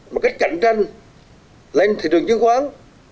một cách cạnh tranh lên thị trường chứng khoán